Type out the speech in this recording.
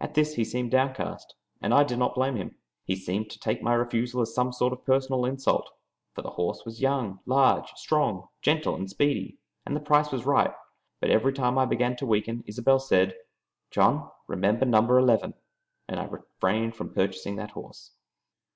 At this he seemed downcast, and I did not blame him. He seemed to take my refusal as some sort of personal insult, for the horse was young, large, strong, gentle, and speedy, and the price was right; but every time I began to weaken Isobel said, "John, remember number eleven!" and I refrained from purchasing that horse.